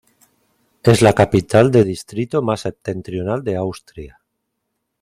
Es la capital de distrito más septentrional de Austria.